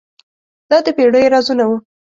دا د پیړیو رازونه وو.